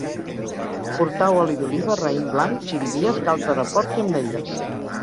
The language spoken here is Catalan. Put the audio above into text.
Portau oli d'oliva, raïm blanc, xirivies, galta de porc i ametlles